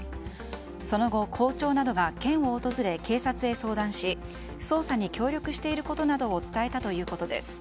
その後、校長などが県を訪れ警察へ相談し捜査に協力していることなどを伝えたということです。